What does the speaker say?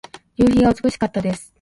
夕日が美しかったです。